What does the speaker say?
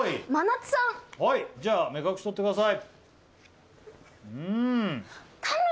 じゃあ目隠しとってください。